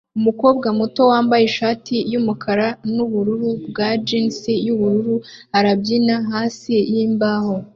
Umukobwa muto wambaye ishati yumukara nubururu bwa jean yubururu arabyina hasi yimbaho